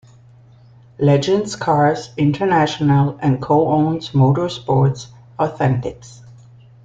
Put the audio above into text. Legends Cars International, and co-owns Motorsports Authentics.